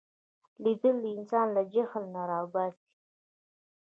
لیدل انسان له جهل نه را باسي